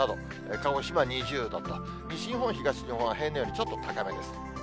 鹿児島２０度と、西日本、東日本は平年よりちょっと高めです。